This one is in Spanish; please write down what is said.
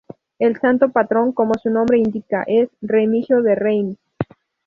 El santo patrón, como su nombre indica, es Remigio de Reims.